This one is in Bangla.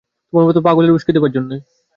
তোমার মতো পাগলদের উসকে দেবার জন্যে।